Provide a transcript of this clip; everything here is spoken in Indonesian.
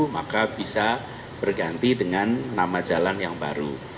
maka bisa berganti dengan nama jalan yang baru